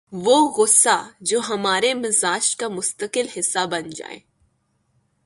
وہ غصہ جو ہمارے مزاج کا مستقل حصہ بن جائے